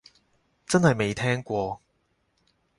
真係未聽過